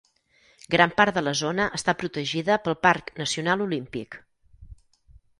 Gran part de la zona està protegida pel Parc Nacional Olímpic.